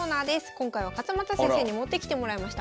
今回は勝又先生に持ってきてもらいました。